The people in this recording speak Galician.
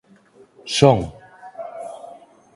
Son...